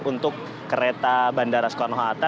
untuk kereta bandara soekarno hatta